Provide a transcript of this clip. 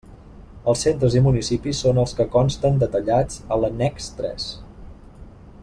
Els centres i municipis són els que consten detallats a l'annex tres.